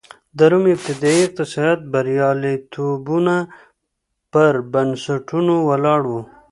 د روم ابتدايي اقتصادي بریالیتوبونه پر بنسټونو ولاړ و